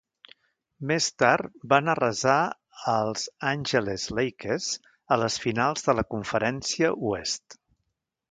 Més tard van arrasar els Angeles Lakers a les finals de la Conferència Oest.